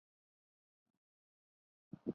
丹麦自动进入决赛圈。